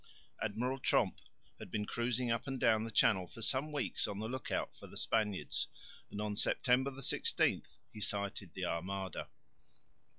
Admiral Tromp had been cruising up and down the Channel for some weeks on the look out for the Spaniards, and on September 16 he sighted the armada.